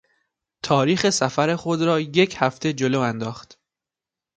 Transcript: تاریخ سفر خود را یک هفته جلو انداخت.